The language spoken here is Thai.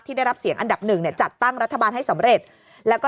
ได้รับเสียงอันดับหนึ่งเนี่ยจัดตั้งรัฐบาลให้สำเร็จแล้วก็